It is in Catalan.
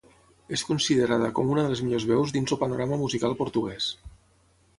És considerada com una de les millors veus dins el panorama musical portuguès.